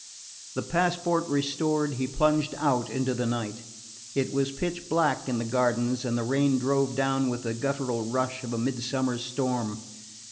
The passport restored, he plunged out into the night. It was pitch black in the gardens and the rain drove down with the guttural rush of a midsummer storm.